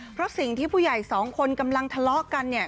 เพราะสิ่งที่ผู้ใหญ่สองคนกำลังทะเลาะกันเนี่ย